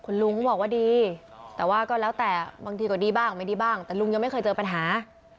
คุณลุงก็บอกว่าดีแต่ว่าก็แล้วแต่บางทีก็ดีบ้างไม่ดีบ้างแต่ลุงยังไม่เคยเจอปัญหา